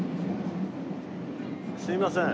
すいません。